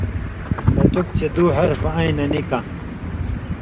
ݜتُک چے دُو حرفہ اَیں نہ نِکاں